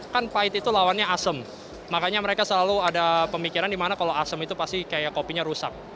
kan pahit itu lawannya asem makanya mereka selalu ada pemikiran dimana kalau asem itu pasti kayak kopinya rusak